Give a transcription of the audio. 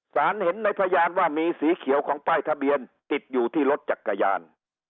เห็นในพยานว่ามีสีเขียวของป้ายทะเบียนติดอยู่ที่รถจักรยาน